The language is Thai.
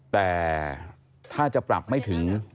แต่ถ้าจะปรับไม่ถึง